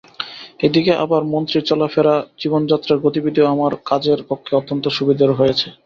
এদিক থেকে আবার মন্ত্রীর চলাফেরা জীবনযাত্রার গতিবিধিও আমার কাজের পক্ষে অত্যন্ত সুবিধের হয়েছে।